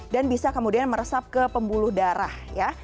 dan bisa kemudian meresap ke pembuluh darah ya